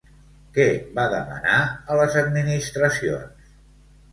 Què va demanar a les administracions?